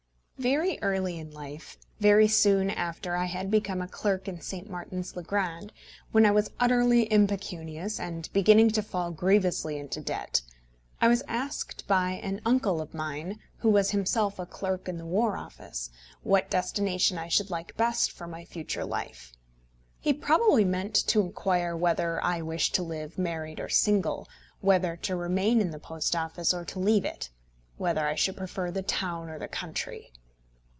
Very early in life, very soon after I had become a clerk in St. Martin's le Grand, when I was utterly impecunious and beginning to fall grievously into debt, I was asked by an uncle of mine, who was himself a clerk in the War Office, what destination I should like best for my future life. He probably meant to inquire whether I wished to live married or single, whether to remain in the Post Office or to leave it, whether I should prefer the town or the country.